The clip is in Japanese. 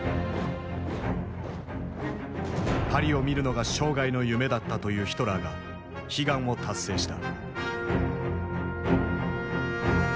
「パリを見るのが生涯の夢だった」というヒトラーが悲願を達成した。